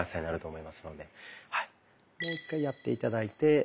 もう一回やって頂いて。